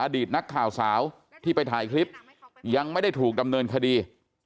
นักข่าวสาวที่ไปถ่ายคลิปยังไม่ได้ถูกดำเนินคดี